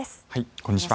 こんにちは。